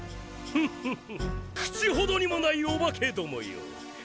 フフフ口ほどにもないオバケどもよ。